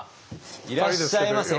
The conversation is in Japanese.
いらっしゃいませ。